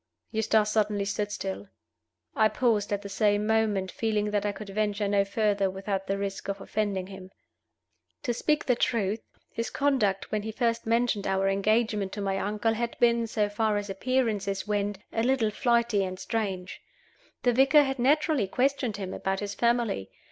Eustace suddenly stood still. I paused at the same moment, feeling that I could venture no further without the risk of offending him. To speak the truth, his conduct, when he first mentioned our engagement to my uncle, had been (so far as appearances went) a little flighty and strange. The vicar had naturally questioned him about his family.